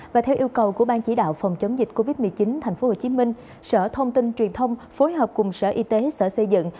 và theo yêu cầu của ban chỉ đạo phòng chống dịch covid một mươi chín tp hcm sở thông tin truyền thông phối hợp cùng sở y tế sở xây dựng